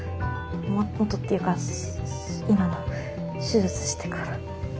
元っていうか今の手術してから。